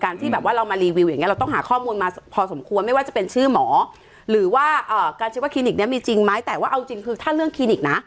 ที่แบบว่าเรามารีวิวอย่างเงี้เราต้องหาข้อมูลมาพอสมควรไม่ว่าจะเป็นชื่อหมอหรือว่าการคิดว่าคลินิกเนี้ยมีจริงไหมแต่ว่าเอาจริงคือถ้าเรื่องคลินิกนะ